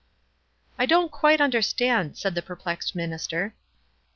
" I don't quite understand," said the perplexed minister.